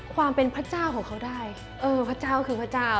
ความเป็นพระเจ้าของเขาได้เออพระเจ้าคือพระเจ้า